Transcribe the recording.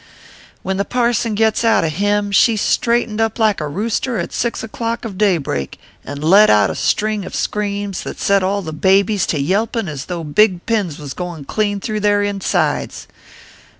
"When the parson gets out a hymn, she straightened up like a rooster at six o clock of daybreak, and let out a string of screams that set all the babies to yelping as though big pins was goin clean through their insides.